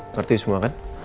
ngerti semua kan